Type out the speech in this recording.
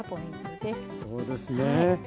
そうですね。